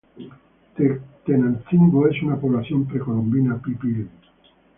Tenancingo es una población precolombina pipil.